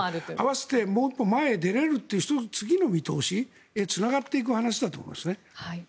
合わせてもう１歩、前に出れるという次の見通しへつながっていく話だと思いますね。